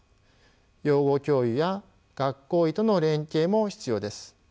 養護教諭や学校医との連携も必要です。